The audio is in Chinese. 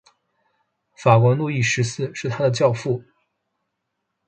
法国路易十四是他的教父。